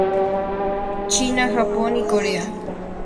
China, Japón y Corea.